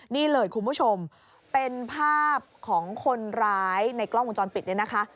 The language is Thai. นี่เลยคุณผู้ชมเป็นภาพของคนร้ายในกล้องวงจรปิดเนี่ยนะคะ